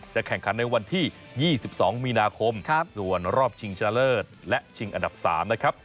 แข่งขันในวันที่๒๒มีนาคมส่วนรอบชิงชะเลิศและชิงอันดับ๓นะครับ